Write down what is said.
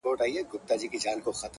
پر كورونو د بلا- ساه ده ختلې-